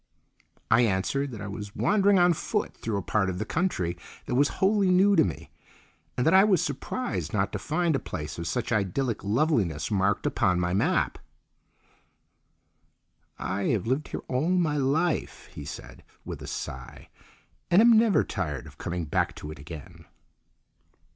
I answered that I was wandering on foot through a part of the country that was wholly new to me, and that I was surprised not to find a place of such idyllic loveliness marked upon my map. "I have lived here all my life," he said, with a sigh, "and am never tired of coming back to it again."